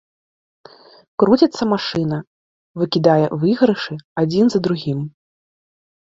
Круціцца машына, выкідае выйгрышы адзін за другім.